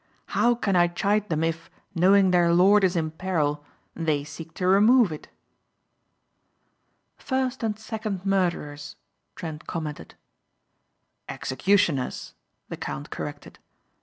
How can I chide them if, knowing their lord is in peril, they seek to remove it?" "First and second murderers," Trent commented. "Executioners," the count corrected.